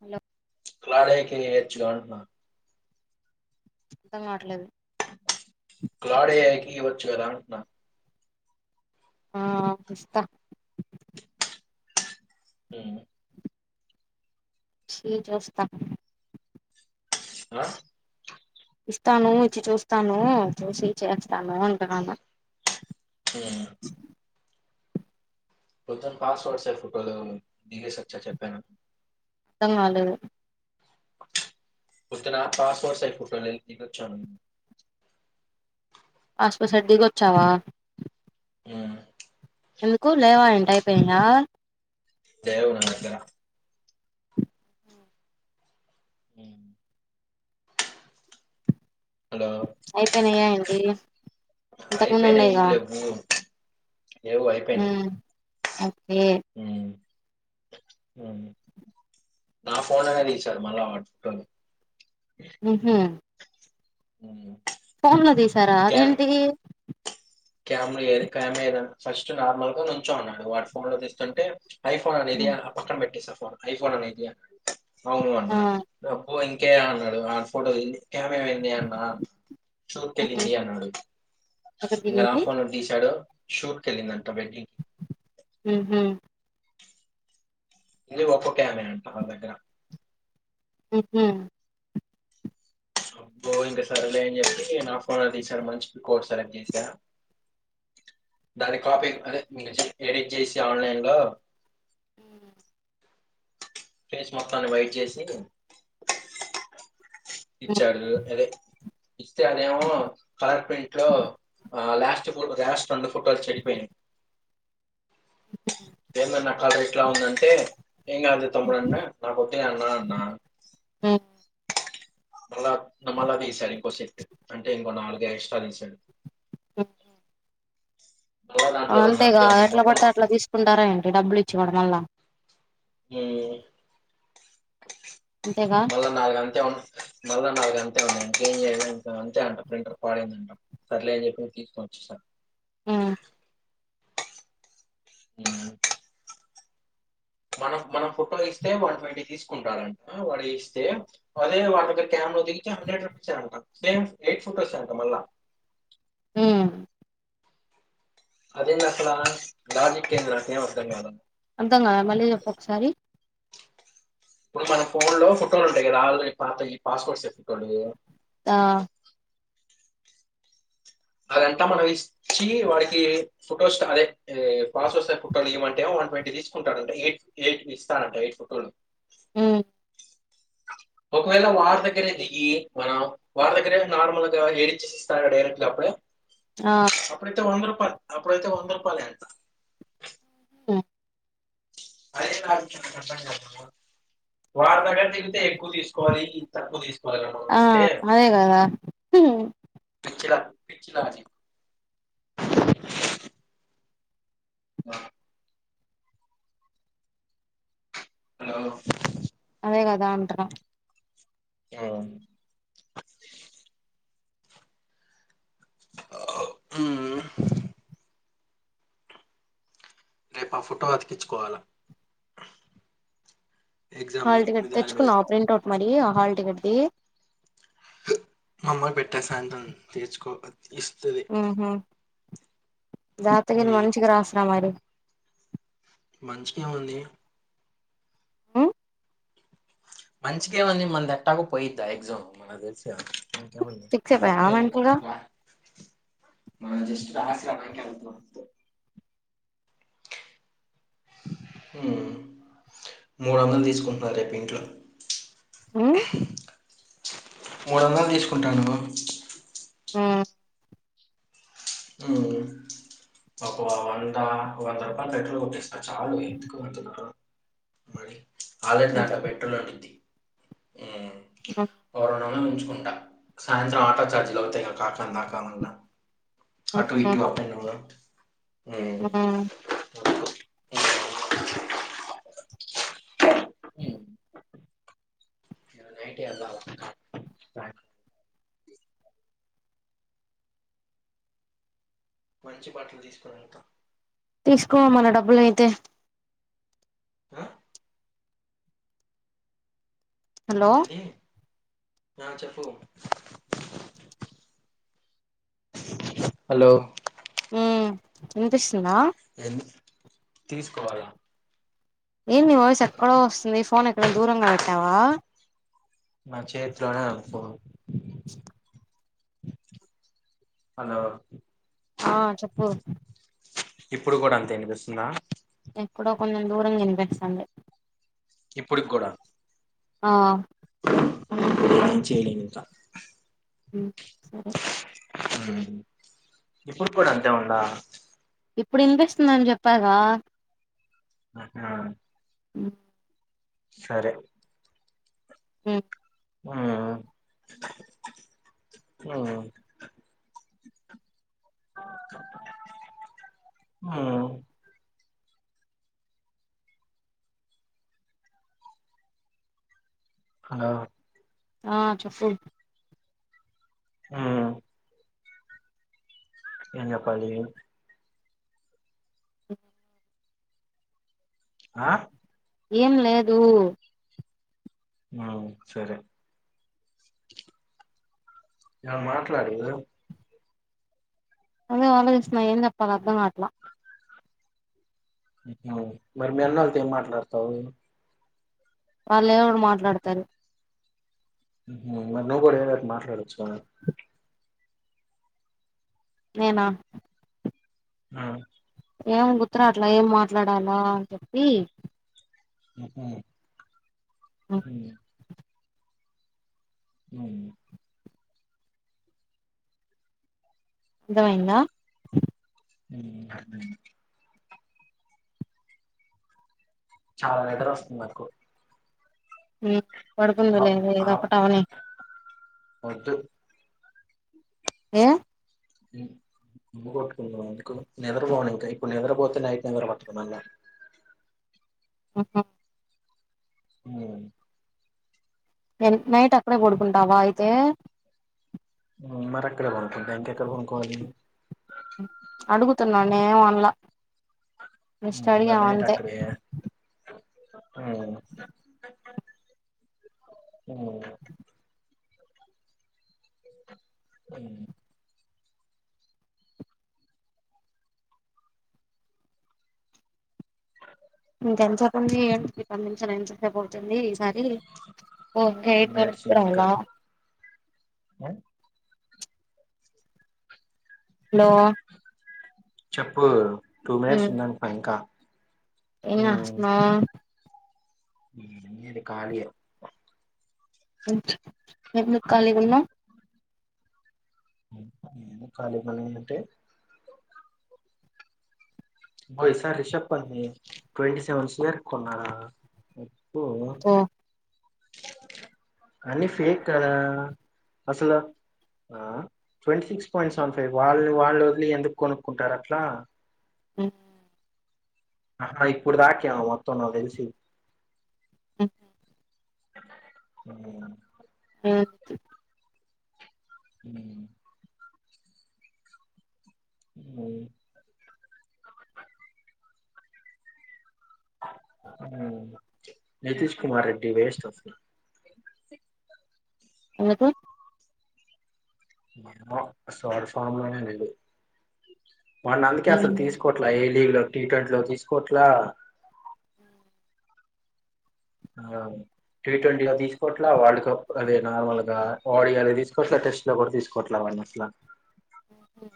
Hello కలాడకి ఎచ్చగాంటన్నా అంతం కావట్లేదు క్లాడేకి వచ్చు కదా అంటున్నా ఆ వస్తా హ చీ చూస్తా ఆ ఇస్తాను ఇచ్చి చూస్తాను చూసి చేస్తాను అంటున్నాను ఆ కొతను పాస్ వాడ్స ఫోటోలో దిగేసిచ్చా చెప్పాను పత్త నాలుగు పోత్త నా పాస్వర్డ్ సై ఫోటో దిగి వచ్చిన హస్పి సర్ దగ వచ్చావా ఆ అయిపోయిందా దేరవున నతరా మ్మ్ అయిపోయినాయా ఏంటి ఇంతక ముంద్ అయిపోయినాయి ఉన్నాయ్ గా లేవు మ్మ్. ఆగ్ హ్మ్ మ్మ్ హు నా ఫోన్ అనే దీసారు మళ్ళా వాడి చుట్టాలు మ్మ్ హు మ్మ్ ఫోన్ లో దీసారా అదేంటి కెమెరా ఏది కెమ్ ఏద్ ఫస్ట్ నార్మల్ గా నుంచో అన్నాడు వాడి ఫోన్ లో తీస్తుంటే ఐఫోన్ అనేది అహ్ ఆ పక్కన బెట్టేసాం వాడు ఐఫోన్ అనేది అన్నాడు. అవును అన్న ఆ గ పోయ్ కే అన్నా డ్ ఆ ఫోటో ది కెమ్ ఏమైంది అన్న షూట్ కి ఉమ్ ఎళ్ళింది అన్నాడు. ఎక్కడ ఆ దిగింది ఫోన్ ఎవర్ తీశాడో షూట్ కెలిందంటా బెట్టింగ్ మ్మ్ హు ఇది ఒక్కొక్కయాభై అంట ఆళ్ళ దగ్గర మ్మ్ హు అబ్బో ఇంక సరేలే అని జేప్పి నా ఫోనే దీసాను మంచి పిక్ ఒకటి సెలెక్ట్ జేసా, దాని కాపీ అదే నీకు నచ్చింది ఎడిట్ జేసి ఆన్లైన్ లో. ఫేస్ మొత్తాన్ని వైట్ జేసి ఇచ్చాడు అదే ఇస్తే అదేమో కలర్ ప్రింట్ లో ఆహ్ లాస్ట్ ఫోట్ లాస్ట్ రెండు ఫోటోలు చెడిపోయినాయ్. [unintelligible] ఎందన్నా కాత ఇట్ల ఉందంటే ఏం గాదులే తొమ్ముడన్న నా కొద్దే అన్నా అన్నా. ఉహు మళ్ళ నమళ్ళదీశాడి ఒ సెట్ అంటే ఇంకో నాలుగ్ ఎక్స్‌ట్రా దీసాడు ఆ [unintelligible] [unintelligible] దాంట్లో రెండు అంతే అంతేగా ఉన్నాయి ఎట్లా మొత్తం బడితే అట్లా తీసుకుంటారా ఏంటి డబ్బులి. చుడాదెల్దా మ్మ్ అంతేగా మళ్ళ నాలుగు అంతే ఉ మళ్ల నాలుగు అంతే ఉన్నాయ్ ఇంకేం జెయలెంగా అంతే అంట ప్రింటర్ పాడైయిందంట సర్లేని జేప్పి తీసుకోని వచ్చసాన్. మ్మ్ మ్మ్ మనం మనం ఫొటో ఇస్తే వన్ ట్వంటీ తీసుకుంటారంట, వాడు ఇస్తే అదే వాడి దగ్గర కెమ్ లో దిగితే హండ్రెడ్ రూపీసె అంట సేమ్ ఎయిట్ ఫొటోసే అంట మళ్ళా. హు అదేందక్కడ లాజిక్ ఏంది నాకే అర్థం కాల అర్థంకాలే మళ్ళీ జేప్పు ఒక్కసారి ఇప్పుడు మన ఫోన్ లో కుక్కలు ఉంటాయి. కదా ఆల్రెడి పాతవి ఈ పాస్పోర్ట్ సే కుక్కలియి. ఆ అదంతా మనం ఇచ్చి వాడికి ఫొటోస్ అదే ఏ పాస్ వస్తే ఫోటోలు ఏమంటే వన్ ట్వంటీ తీసుకుంటాడంట. ఎయిట్ ఎయిట్ ఇస్తాడంట, ఎయిట్ ఫోటోలు. ఊ ఒకవేళ వారి దగ్గరే దిగి మనం వారి దగ్గరే నార్మల్ గా ఏడిచేచిస్తాడంటే డైరెక్ట్ గా అప్పుడే ఆ అప్పుడతే ఒందరు అప్పుడైతే వంద రూపాలే అంటా. హుహ్ అదే కాదు నాకు అర్థం కాలే. వాడి దగ్గర తిగితే ఎక్కువ తీసుకోవాలి. ఇది తక్కువ తీస్ ఆ అదే కదా హు పిచ్చిరాజి నా హలో అదే కదా అంటనా యా హుహు రేపు ఆ ఫోటో అతికించుకోవాలా ఎగ్జామ్ హల్ టికెట్ దాని మీద తెచ్చుకున్నవా. ప్రింటౌట్ మరీ హల్టీకెట్ది మమ్మయ్ పెట్టా సాయంత్రం తీర్చుకో ఇస్తది జాతగిని మ్ మంచిగా రాసినా మరి మంచికేముంది ఉమ్ మంచిగే ముంది. మన దేటగో పోయిది. ఆ ఎగ్జామ్ మనగ్ తెలుసుగా ఇంకేముంది ఫిక్స్ అయిపోయావా మెంటల్ గా [inaudible] మనం జస్ట్ రాసిడవడానికి ఏళ్తున్నాం హు మూడు వందలు తీసుకుంటున్నారు. రేపు ఇంట్లో హు మూడోందలు తీసుకుంటాను. ఆ హు పప్ప వవుందా వంద రూపాయ పెట్రోల్ కొట్టేస్తా చాలు ఎందుకు అంతున్నారు. మళ్ళి అల్రడీ అంతే దాంట్లో పెట్రోలు ఉండింది. హు ఉమ్ ఓరోనునానుచ్ ఉంటా సాయంత్రం ఆటో చార్జీలు అవుతాయి. నాకాకాందా కామన్నా అటు ఉహు ఇటు ట్ ఉమ్ నై ఇయాల నైట్ కలవాల మంచి బట్టలు తీసుకుని వెళ్తా తీసుకో మన డబ్బులు అయితే ఆ హలో ఏంది ఆ చెప్పు హలో ఉమ్ వినిపిస్తుంద ఏంది తీసుకోవాల ఏంది వాయిస్ ఎక్కడో వస్తుంది. ఫోన్ ఎక్కడైనా దూరంగా పెట్టావా. నా చేతిలోనే ఉంది ఫోను హలో ఆ చెప్పు ఇప్పుడు కూడా అంతే వినిపిస్తుందా ఎక్కడో కొంచెం దూరంగ వినిపిస్తాంది. ఇప్పుటికి కూడ ఆ ఏం చేయలేను ఇంకా ఉ సరే ఉమ్ ఇప్పుడు కూడా అంతే ఉందా ఇప్పుడు వినిపిస్తుందని చెప్పాగా ఆహా ఉ సరే ఊ ఆ ఉ ఊ ఆ ఆ చెప్పు ఆ ఏం చెప్పాలి ఆ ఏం లేదూ ఆ సరే ఎ మాట్లాడు ఇగో అదే ఆలోచిస్తున్నా ఏం చెప్పాలా అర్థం కావట్లా మరి మీ అన్నల్తో ఏం మాట్లాడతవ్ వాళ్ళు ఎవరు మాట్లాడతారు మరి నువ్వు కూడ ఏదో ఒకటి మాట్లాడొచ్చు కా నేన ఆ ఏం గుర్తు రాట్లా ఏం మాట్లాడాలో అని చెప్పి అ అ అర్థమైందా ఉ చాలా నిద్ర వస్తుంది నాకు ఆ పడుకుందవులే ఆప్ ఆప్ ఇదొక్కటి అవ్వని వద్దు ఏ [unintelligible] ఎందుకు నిద్రపోను ఇంకా ఇప్పుడు నిద్రపోతే నైట్ నిద్ర పట్టదు మళ్ళ ఆహా హ ఎ నైట్ అక్కడే పడుకుంటావా అయితే మరి అక్కడే పడుకుంటా ఇంకెక్కడ పడుకోవాలి అడుగు తున్నా నేనేం అనలా జస్ట్ అడిగాము అంతే [unintelligible] అ ఆ అ ఇంకా ఎంతసేపు ఉంది ఏం పది నిమ్ మిషాలు ఎంతసేపు అయితుంది ఈసారి టూ ఎయిట్ మినిట్స్ వరకు ఉంది ఇంకా రావాలా ఉమ్, హలో చెప్పు టూ మినిట్స్ ఉన్నదిక ఇంకా ఏం చేస్తున్నావ్ ఏం లేదు ఖాళీయే ఎందుకు ఖాళీగా ఉన్నావ్ నీకెందుకు నేను ఖాళీగా ఉంటే పోయిన సారి [unintelligible] ట్వంటీ సెవెన్ [unintelligible] కొన్నారా ఓ అన్ని ఫేక్ కదా అసలు twenty six point seven five వాళ్ళు వాళ్ళు వదిలి ఎందుకు కొనుక్కుంటారు అట్లా హుమ్ హా ఇప్పుడుదాకేవమో మొత్తం నాకు తెలిసి హుమ్ [unintelligible] అ హమ్ ఉ నితీష్ కుమార్ రెడ్డి వేస్ట్ అసలా ఎందుకు ఏమో [unintelligible] వాళ్ళు అందుకే అసలు తీసుకోవట్లే ఏ లీగ్ లో టీ ట్వంటీ లో తీసుకోవట్లా అ టీ ట్వంటీగా తీసుకోట్లా, వరల్డ్ కప్ అదే నార్మల్గా ఆడియోలో తీసుకోట్లా టెస్ట్ లో కూడా తీసుకోట్లా వాడి అట్లా మ్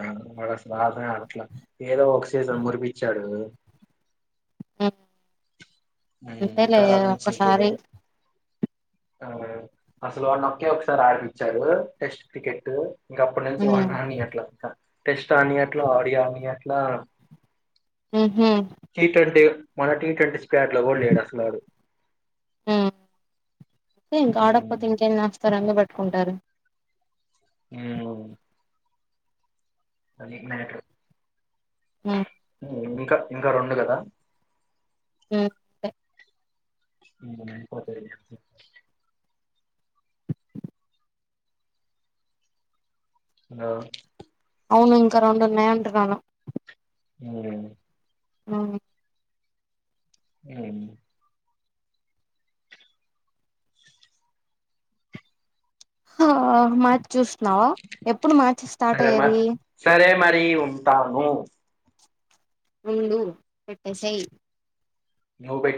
ఆ వా సాస అట్లా ఏదో ఒకసీజన్ మురిపించాడు ఆ ఉమ్, అంతేలే తర్వాత నుంచి ఒక్కసారి ఇంకేం ఆ అసలు వా ఒకే ఒకసారి ఆడిపిచ్చారు టెస్ట్ క్రికెట్ ఇంక అప్పటి నుంచి వాడ్ని ఉమ్ అడ్నిట్ల ఇంకా టెస్ట్ ఆడనీయట్లే ఆడియాని ఆడనీయట్లే ఆ ఉహు ఏంటంటే మన టీ ట్వంటీ పేటలో కూడా లేడంట వాడు ఇక్క ఆడకపోతే ఉమ్, ఇంకేం చేస్తారు వాని కుంటారు ఉ అది మ్యాటర్ మ్ ఇంకా ఇంకా రెండు కదా అ [unintelligible] హలో అవును ఇంకా రెండు ఉన్నాంట నను మ్ ఆ అ హ మ చూస్తున్నావు ఎప్పుడు మ్యాచెస్ స్టార్ట్ అయ్యేది మ ఉంటాను ముందు పెట్టసై నవు పె